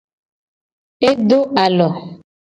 E do alo.